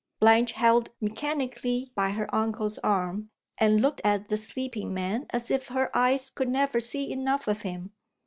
Blanche held mechanically by her uncle's arm, and looked at the sleeping man as if her eyes could never see enough of him.